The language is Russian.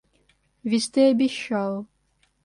Ведь ты обещал.